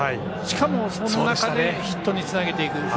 しかも、その中でヒットにつなげていく。